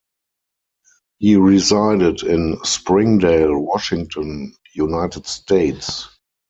He resided in Springdale, Washington, United States.